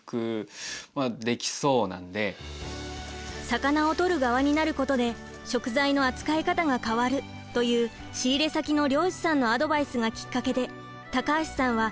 「魚を取る側になることで食材の扱い方が変わる」という仕入れ先の漁師さんのアドバイスがきっかけで高橋さんは転職を決意。